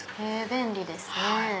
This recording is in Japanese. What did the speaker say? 便利ですね。